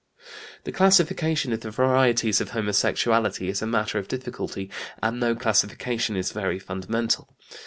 The classification of the varieties of homosexuality is a matter of difficulty, and no classification is very fundamental.